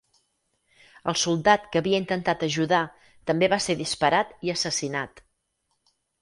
El soldat que havia intentat ajudar també va ser disparat i assassinat.